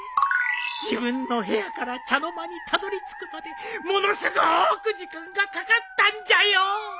自分の部屋から茶の間にたどり着くまでものすごく時間がかかったんじゃよ！